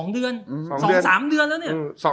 ๒เดือน๒๓เดือนแล้วเนี่ย